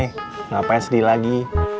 kenapa sedih lagi